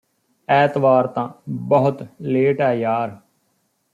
ਐਤਵਾਰ ਤਾਂ ਬਹੁਤ ਲੇਟ ਐ ਯਾਰ